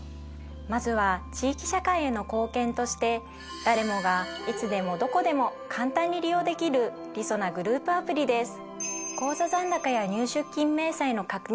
まずは地域社会への貢献として誰もがいつでもどこでも簡単に利用できるりそなグループアプリです。